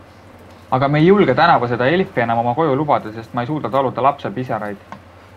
Aga me ei julge tänavu seda Elfi enam oma koju lubada, sest ma ei suuda taluda lapse pisaraid.